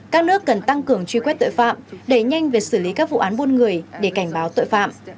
các nước cần tăng cường truy quét tội phạm đẩy nhanh về xử lý các vụ án buôn người để cảnh báo tội phạm